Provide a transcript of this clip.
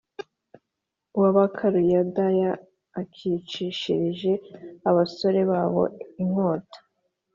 W abakaludaya akicishiriza abasore babo inkota